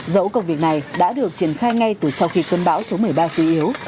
dẫu công việc này đã được triển khai ngay từ sau khi cơn bão số một mươi ba suy yếu